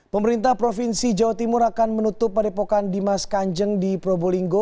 pemerintah provinsi jawa timur akan menutup padepokan dimas kanjeng di probolinggo